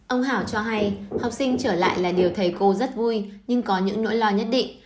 ông hảo cho hay học sinh trở lại là điều thầy cô rất vui nhưng có những nỗi lo nhất định